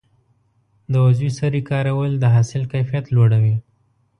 د عضوي سرې کارول د حاصل کیفیت لوړوي.